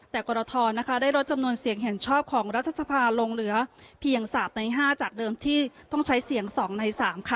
แต่กรทได้ลดจำนวนเสียงเห็นชอบของรัฐสภาลงเหลือเพียง๓ใน๕จากเดิมที่ต้องใช้เสียง๒ใน๓ค่ะ